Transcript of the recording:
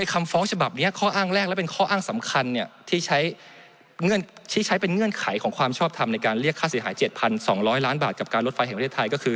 ในคำฟ้องฉบับข์นี้ข้ออ้างแรกเป็นเนื่องของความชอบทำในการเรียกคาสิทธิ์หาย๗๐๐๐๑๐๐๐๐๐บาทกับการรถไฟไทย